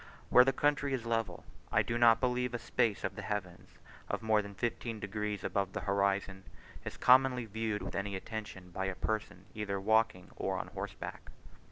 Where the country is level I do not believe a space of the heavens, of more than fifteen degrees above the horizon, is commonly viewed with any attention by a person either walking or on horseback.